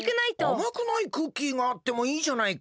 あまくないクッキーがあってもいいじゃないか。